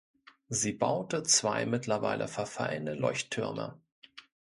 Sie baute zwei mittlerweile verfallene Leuchttürme.